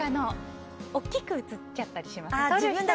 大きく写っちゃったりしません？